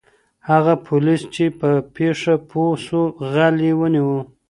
هغه پولیس چي په پېښه پوه سو غل یې ونیو.